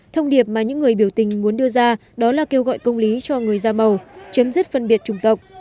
thông điệp mà những người biểu tình muốn đưa ra đó là kêu gọi công lý cho người da màu chấm dứt phân biệt chủng tộc